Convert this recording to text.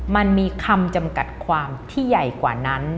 มันมีคำจำกัดความที่ใหญ่กว่านั้น